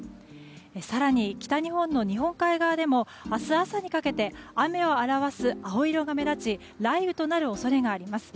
更に北日本の日本海側でも明日朝にかけて雨を表す青色が目立ち雷雨となる恐れがあります。